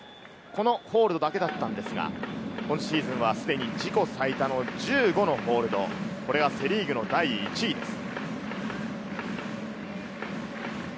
このホールドだけだったんですが、今シーズンはすでに自己最多の１５ホールド、これがセ・リーグの第１位です。